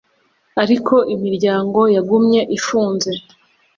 Ariko imiryango yagumye ifunze